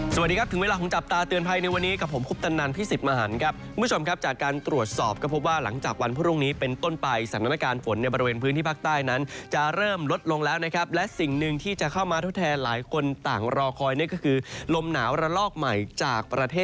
สวัสดีครับถึงเวลาของจับตาเตือนภัยในวันนี้กับผมคุปตันนันพี่สิทธิ์มหันครับคุณผู้ชมครับจากการตรวจสอบก็พบว่าหลังจากวันพรุ่งนี้เป็นต้นไปสถานการณ์ฝนในบริเวณพื้นที่ภาคใต้นั้นจะเริ่มลดลงแล้วนะครับและสิ่งหนึ่งที่จะเข้ามาทดแทนหลายคนต่างรอคอยนี่ก็คือลมหนาวระลอกใหม่จากประเทศ